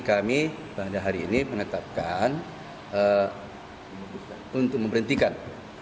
kami pada hari ini menetapkan untuk memberhentikan